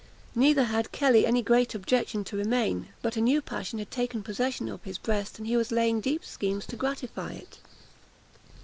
Neither had Kelly any great objection to remain; but a new passion had taken possession of his breast, and he was laying deep schemes to gratify it.